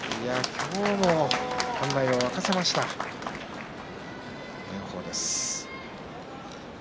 今日も館内を沸かせました炎鵬です。